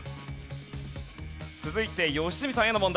続いて良純さんへの問題。